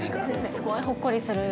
すごいほっこりする。